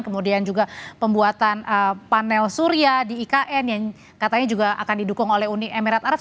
kemudian juga pembuatan panel surya di ikn yang katanya juga akan didukung oleh uni emirat arab